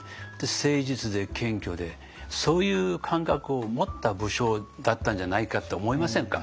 誠実で謙虚でそういう感覚を持った武将だったんじゃないかって思いませんか？